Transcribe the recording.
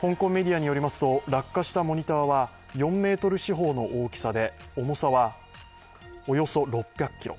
香港メディアによりますと落下したモニターは４メートル四方の大きさで重さはおよそ６００ｋｇ。